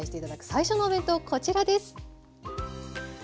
最初のお弁当こちらです。